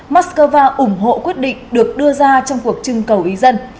moscow ủng hộ quyết định được đưa ra trong cuộc trưng cầu ý dân